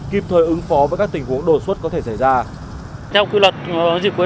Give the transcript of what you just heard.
kịp thời ứng phó với các tình huống đột xuất có thể xảy ra